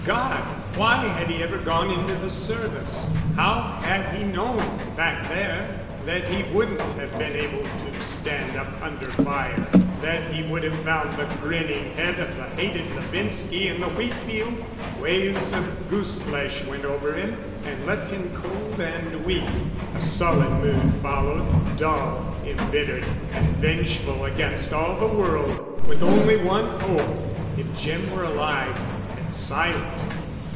God! Why had he ever gone into the service? How had he known back there that he wouldn't have been able to stand up under fire—that he would have found the grinning head of the hated Levinski in the wheat field? Waves of goose flesh went over him and left him cold and weak.... A sullen mood followed, dull, embittered, and vengeful, against all the world, with only one hope.... If Jim were alive—and silent!